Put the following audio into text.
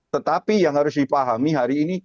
tetapi yang harus dipahami hari ini